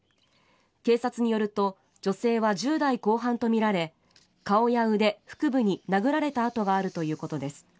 警察によると女性は１０代後半とみられ顔や腕、腹部に殴られた痕があるということです。